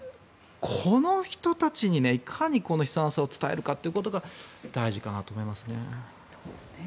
この人たちにいかにこの悲惨さを伝えるかということが大事だと思いますね。